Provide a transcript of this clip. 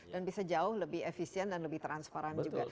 dan bisa jauh lebih efisien dan lebih transparan juga